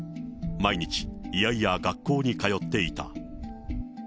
毎日、嫌々学校に通っていた。